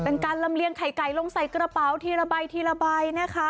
เป็นการลำเลียงไข่ไก่ลงใส่กระเป๋าทีละใบทีละใบนะคะ